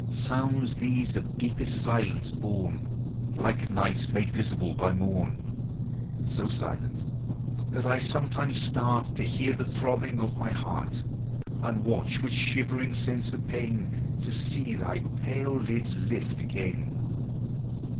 Sounds these of deepest silence born, Like night made visible by morn; So silent that I sometimes start To hear the throbbings of my heart, And watch, with shivering sense of pain, To see thy pale lids lift again.